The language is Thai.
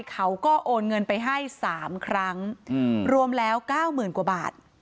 โอนเงินไปให้๓ครั้งรวมแล้ว๙๐๐กว่าบาท